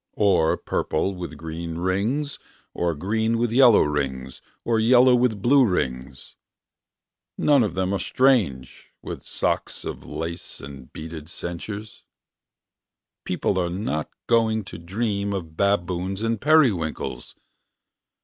Or purple with green rings. Or green with yellow rings. Or yellow with blue rings . None of them are strange. With socks of lace And beaded ceintures . People are not going To dream of baboons and periwinkles